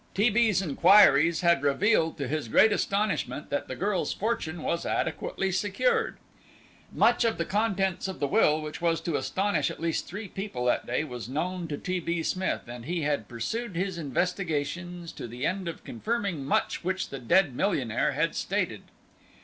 T. B.'s inquiries had revealed, to his great astonishment, that the girl's fortune was adequately secured. Much of the contents of the will, which was to astonish at least three people that day, was known to T. B. Smith, and he had pursued his investigations to the end of confirming much which the dead millionaire had stated.